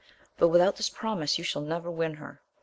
But without this promise you shall never win her.